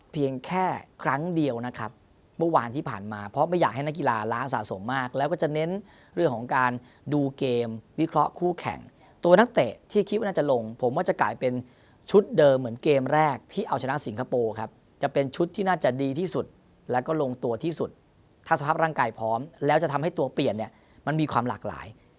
แค่ครั้งเดียวนะครับเมื่อวานที่ผ่านมาเพราะไม่อยากให้นักกีฬาล้าสะสมมากแล้วก็จะเน้นเรื่องของการดูเกมวิเคราะห์คู่แข่งตัวนักเตะที่คิดว่าน่าจะลงผมว่าจะกลายเป็นชุดเดิมเหมือนเกมแรกที่เอาชนะสิงคโปร์ครับจะเป็นชุดที่น่าจะดีที่สุดแล้วก็ลงตัวที่สุดถ้าสภาพร่างกายพร้อมแล้วจะทำให้ตัวเปลี่ยนเนี่ยมันมีความหลากหลาย